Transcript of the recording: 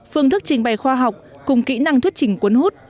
phương thức trình bày khoa học cùng kỹ năng thuyết trình cuốn hút